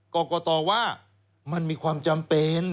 กรกตว่ามันมีความจำเป็น